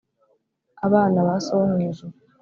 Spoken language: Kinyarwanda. abana ba So wo mu ijuru